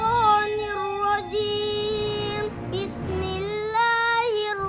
orang orang yang bermartabat